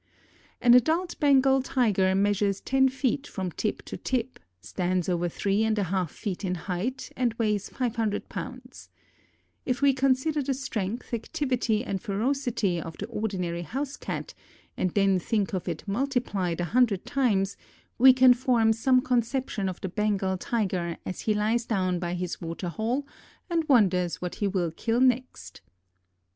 An adult Bengal Tiger measures ten feet from tip to tip, stands over three and a half feet in height and weighs five hundred pounds. If we consider the strength, activity and ferocity of the ordinary house cat and then think of it multiplied a hundred times we can form some conception of the Bengal Tiger as he lies down by his water hole and wonders what he will kill next.